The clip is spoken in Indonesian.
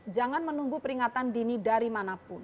jangan menunggu peringatan dini dari mana pun